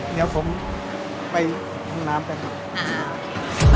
เดี๋ยวผมไปห้องน้ำ